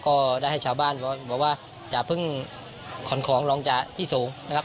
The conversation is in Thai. ก็ได้ให้ชาวบ้านบอกว่าอย่าเพิ่งขนของลงจากที่สูงนะครับ